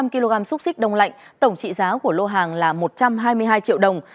bốn trăm linh kg xúc xích đông lạnh tổng trị giá của lô hàng là một trăm hai mươi hai triệu đồng